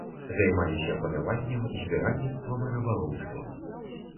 Займаліся паляваннем, збіральніцтвам і рыбалоўствам.